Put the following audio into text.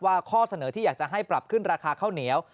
ข้อเสนอที่อยากจะให้ปรับขึ้นราคาข้าวเหนียว